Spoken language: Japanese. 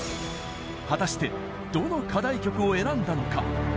果たしてどの課題曲を選んだのか？